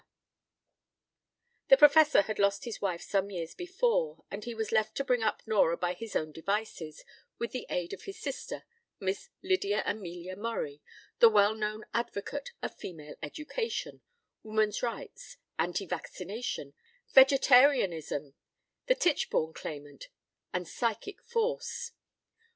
p> The Professor had lost his wife some years before, and he was left to bring up Nora by his own devices, with the aid of his sister, Miss Lydia Amelia Murray, the well known advocate of female education, woman's rights, anti vaccination, vegetarianism, the Tichborne claimant, and psychic force.